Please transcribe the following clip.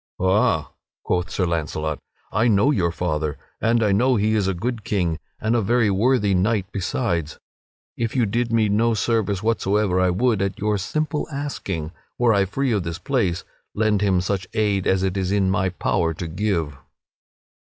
"Ha!" quoth Sir Launcelot, "I know your father, and I know that he is a good king and a very worthy knight besides. If you did me no service whatsoever, I would, at your simple asking, were I free of this place, lend him such aid as it is in my power to give."